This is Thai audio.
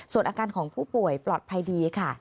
ส่วนอาการของผู้ป่วยปลอดภัยดีค่ะ